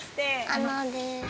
あのです。